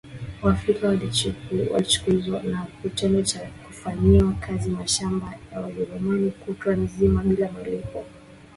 Waafrika walichukizwa na kitendo cha kufanyishwa kazi mashamba ya Wajerumani kutwa nzima bila malipo